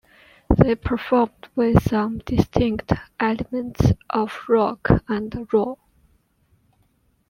They performed with some distinct elements of rock and roll.